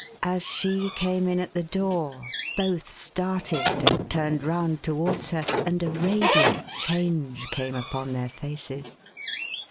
As she came in at the door, both started, and turned round towards her, and a radiant change came upon their faces.